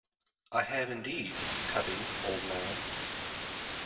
I have, indeed, Tuppy, old man.